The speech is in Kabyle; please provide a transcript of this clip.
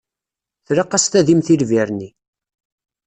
Tlaq-as tadimt i lbir-nni.